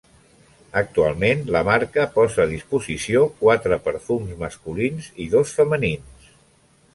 Actualment la marca posa a disposició quatre perfums masculins i dos femenins.